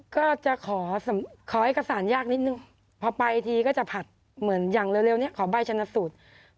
ก็จะขอให้กระสายากนิดนึงพอไปทีก็จะผัดเหมือนอย่างเร็วเนี่ยขอใบชนสูตร